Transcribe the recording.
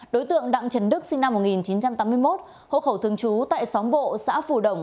đối tượng đặng trần đức sinh năm một nghìn chín trăm tám mươi một hộ khẩu thường trú tại xóm bộ xã phù đồng